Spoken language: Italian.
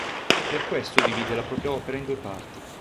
Per questo divide la propria opera in due parti.